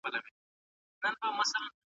په دې باغ کې ډول ډول مرغان لیدل کېږي.